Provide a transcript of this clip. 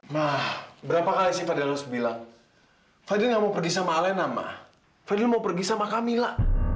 mah berapa kali sih fadil harus bilang fadil gak mau pergi sama alena mah fadil mau pergi sama kamila